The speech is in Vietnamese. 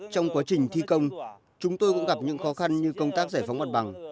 trong quá trình thi công chúng tôi cũng gặp những khó khăn như công tác giải phóng mặt bằng